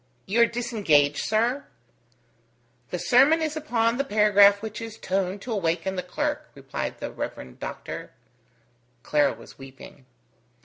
"You are disengaged, sir?" "The sermon is upon the paragraph which is toned to awaken the clerk," replied the Rev. Doctor. Clara was weeping.